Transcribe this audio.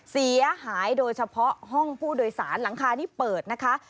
เสียหายโดยเฉพาะห้องผู้โดยสารหลังคานี้เปิดนะคะ